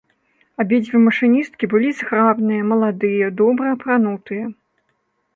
Абедзве машыністкі былі зграбныя, маладыя, добра апранутыя.